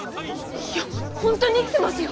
いやほんとに生きてますよ！